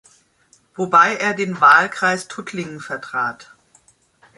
Wobei er den Wahlkreis Tuttlingen vertrat.